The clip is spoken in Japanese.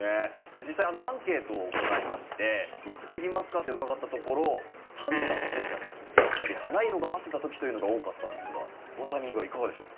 実際アンケートを行いまして「いつ切りますか？」って伺ったところ「種がついたとき」であったり「花色があせたとき」というのが多かったんですがこのタイミングはいかがでしょう？